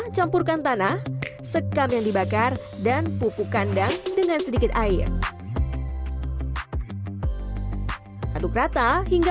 campurkan tanah sekam yang dibakar dan pupuk kandang dengan sedikit air aduk rata hingga